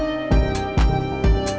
sitanya cuma untuk dur donner